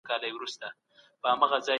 کلاسیک پوهان زموږ لپاره د پوهې لارښود دي.